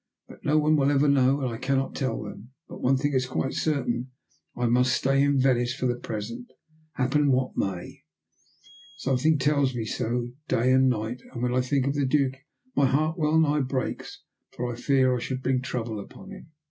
But no one will ever know, and I cannot tell them. But one thing is quite certain. I must stay in Venice for the present happen what may. Something tells me so, day and night. And when I think of the Duke my heart well nigh breaks for fear I should bring trouble upon him."